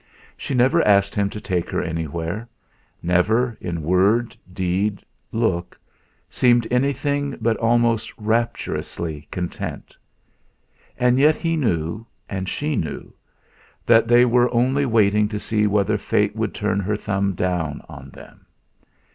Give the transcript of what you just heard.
She never asked him to take her anywhere; never, in word, deed, look, seemed anything but almost rapturously content. And yet he knew, and she knew, that they were only waiting to see whether Fate would turn her thumb down on them.